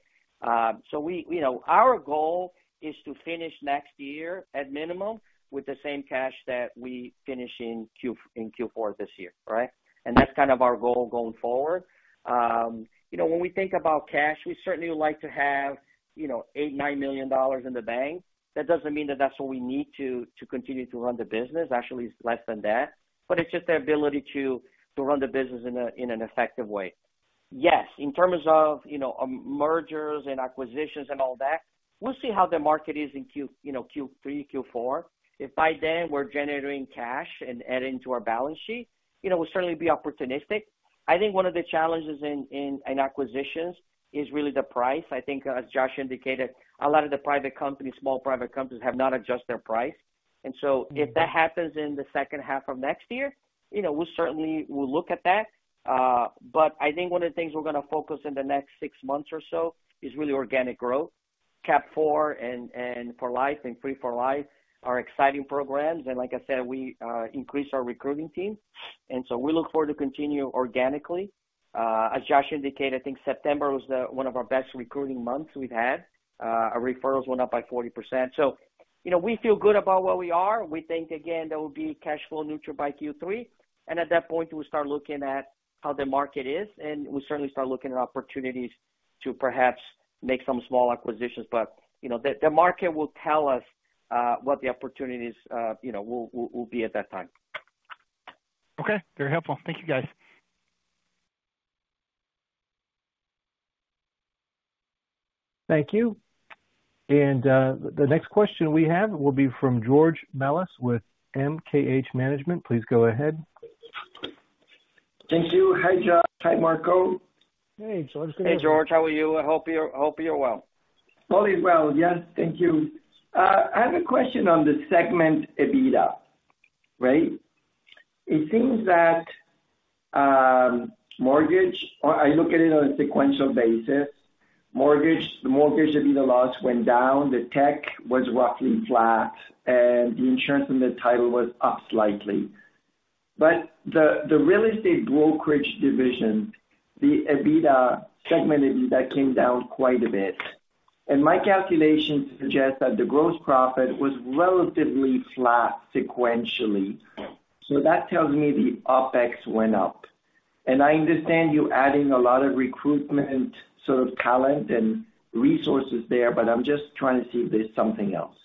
We, you know, our goal is to finish next year at minimum with the same cash that we finish in Q4 this year, right? That's kind of our goal going forward. You know, when we think about cash, we certainly would like to have, you know, $8-$9 million in the bank. That doesn't mean that that's what we need to continue to run the business. Actually, it's less than that. It's just the ability to run the business in an effective way. Yes, in terms of, you know, mergers and acquisitions and all that, we'll see how the market is in Q3, Q4. If by then we're generating cash and adding to our balance sheet, you know, we'll certainly be opportunistic. I think one of the challenges in acquisitions is really the price. I think as Josh indicated, a lot of the private companies, small private companies, have not adjusted their price. If that happens in the second half of next year, you know, we certainly will look at that. I think one of the things we're gonna focus in the next six months or so is really organic growth. Cap4Life and Free4Life are exciting programs. Like I said, we increased our recruiting team, and so we look forward to continue organically. As Josh indicated, I think September was one of our best recruiting months we've had. Our referrals went up by 40%. You know, we feel good about where we are. We think again, that we'll be cash flow neutral by Q3. At that point, we'll start looking at how the market is, and we certainly start looking at opportunities to perhaps make some small acquisitions. You know, the market will tell us what the opportunities you know will be at that time. Okay, very helpful. Thank you, guys. Thank you. The next question we have will be from George Melas with MKH Management. Please go ahead. Thank you. Hi, Josh. Hi, Marco. Hey, George. How are you? I hope you're well. All is well. Yes, thank you. I have a question on the segment EBITDA, right? It seems that I look at it on a sequential basis. The mortgage EBITDA loss went down, the tech was roughly flat, and the insurance and title was up slightly. The real estate brokerage division segment EBITDA came down quite a bit. My calculations suggest that the gross profit was relatively flat sequentially. That tells me the OpEx went up. I understand you adding a lot of recruitment sort of talent and resources there, but I'm just trying to see if there's something else.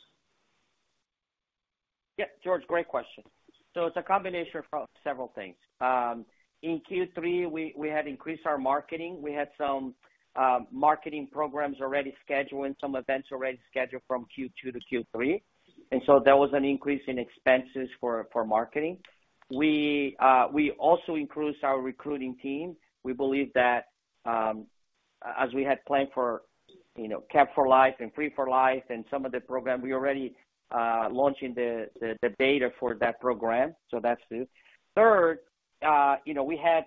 Yeah. George, great question. It's a combination of several things. In Q3, we had increased our marketing. We had some marketing programs already scheduled and some events already scheduled from Q2 to Q3, and there was an increase in expenses for marketing. We also increased our recruiting team. We believe that, as we had planned for, you know, CAP4Life and Free4Life and some of the program, we're already launching the beta for that program, so that's it. Third, you know, we had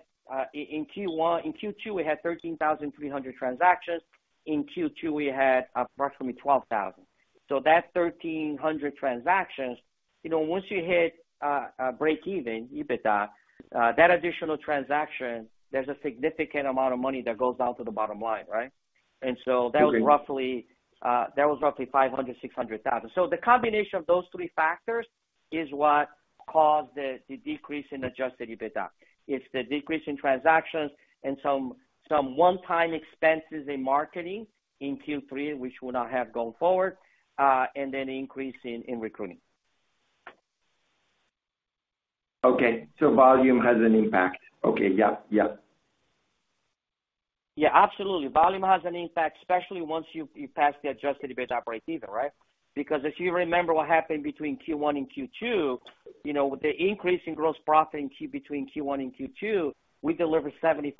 in Q3 13,300 transactions. In Q2, we had approximately 12,000. That 1,300 transactions, you know, once you hit a breakeven EBITDA, that additional transaction, there's a significant amount of money that goes down to the bottom line, right? Agreed. That was roughly 500-600 thousand. The combination of those three factors is what caused the decrease in adjusted EBITDA. It's the decrease in transactions and some one-time expenses in marketing in Q3, which would not have going forward, and then increase in recruiting. Okay. Volume has an impact. Okay. Yeah. Yeah. Yeah, absolutely. Volume has an impact, especially once you've passed the adjusted EBITDA break-even, right? Because if you remember what happened between Q1 and Q2, you know, with the increase in gross profit between Q1 and Q2, we delivered 75%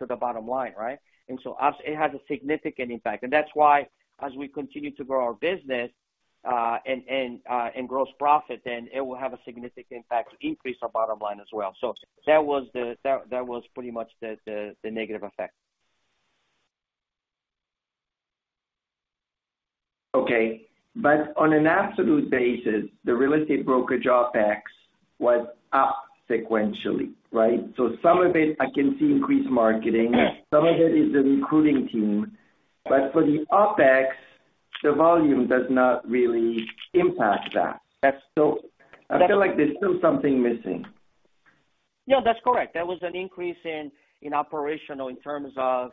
to the bottom line, right? It has a significant impact. That's why as we continue to grow our business and gross profit, then it will have a significant impact to increase our bottom line as well. That was pretty much the negative effect. Okay. On an absolute basis, the real estate brokerage OpEx was up sequentially, right? Some of it I can see increased marketing. Yes. Some of it is the recruiting team. For the OpEx, the volume does not really impact that. That's- I feel like there's still something missing. No, that's correct. There was an increase in operational in terms of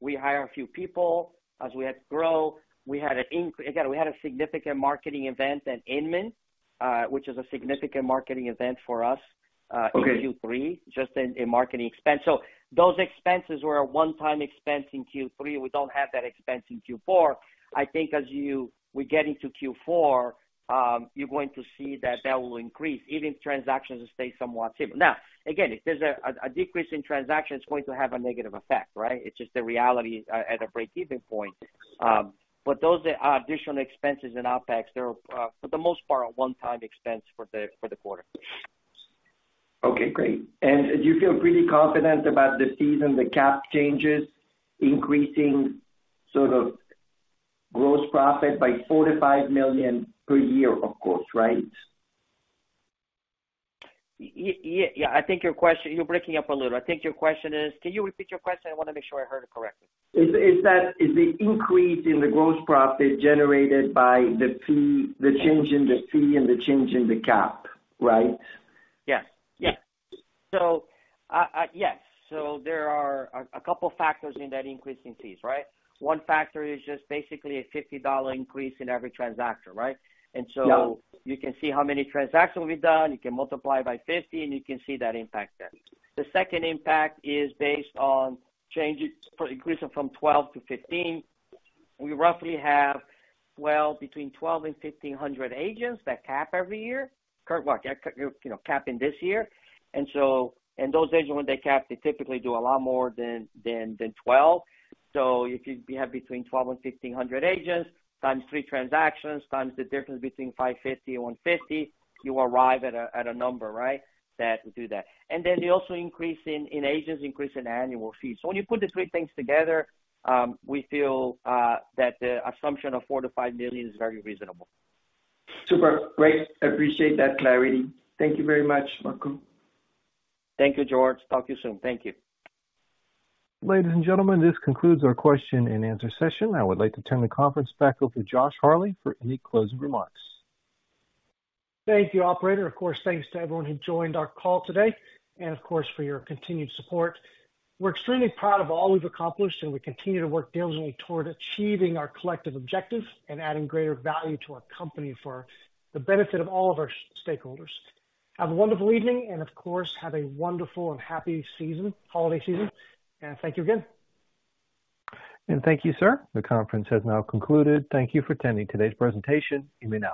we hire a few people as we had to grow. Again, we had a significant marketing event at Inman, which is a significant marketing event for us. Okay. In Q3, just in marketing expense. Those expenses were a one-time expense in Q3. We don't have that expense in Q4. I think as we get into Q4, you're going to see that will increase even if transactions stay somewhat similar. Now, again, if there's a decrease in transaction, it's going to have a negative effect, right? It's just the reality at a break-even point. Those are additional expenses in OpEx. They're for the most part a one-time expense for the quarter. Okay, great. Do you feel pretty confident about the fees and the cap changes increasing sort of gross profit by $45 million per year, of course, right? Yeah. I think your question. You're breaking up a little. I think your question is. Can you repeat your question? I wanna make sure I heard it correctly. Is the increase in the gross profit generated by the fee, the change in the fee and the change in the cap, right? Yes. There are a couple factors in that increase in fees, right? One factor is just basically a $50 increase in every transaction, right? Yeah. You can see how many transactions we've done. You can multiply by 50, and you can see that impact there. The second impact is based on changes for increasing from 12 to 15. We roughly have, well, between 1,200 and 1,500 agents that cap every year, you know, capping this year. Those agents, when they cap, they typically do a lot more than 12. If you have between 1,200 and 1,500 agents times three transactions, times the difference between $550 and $150, you arrive at a number, right? That do that. Then they also increase in agents, increase in annual fees. When you put the three things together, we feel that the assumption of $4-$5 million is very reasonable. Super. Great. Appreciate that clarity. Thank you very much, Marco. Thank you, George. Talk to you soon. Thank you. Ladies and gentlemen, this concludes our question and answer session. I would like to turn the conference back over to Josh Harley for any closing remarks. Thank you, operator. Of course, thanks to everyone who joined our call today and of course for your continued support. We're extremely proud of all we've accomplished, and we continue to work diligently toward achieving our collective objective and adding greater value to our company for the benefit of all of our stakeholders. Have a wonderful evening, and of course, have a wonderful and happy season, holiday season, and thank you again. Thank you, sir. The conference has now concluded. Thank you for attending today's presentation. You may now disconnect.